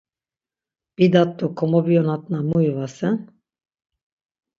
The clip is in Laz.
Bidat do komobiyonatna mu ivasen?